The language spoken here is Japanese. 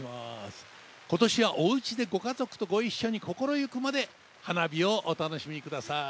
今年はおうちでご家族とご一緒に心行くまで花火をお楽しみください。